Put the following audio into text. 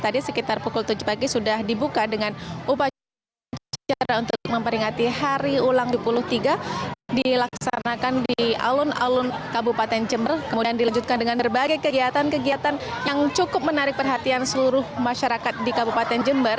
di alun alun kabupaten jember kemudian dilanjutkan dengan berbagai kegiatan kegiatan yang cukup menarik perhatian seluruh masyarakat di kabupaten jember